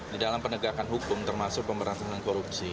di dalam penegakan hukum termasuk pemberantasan korupsi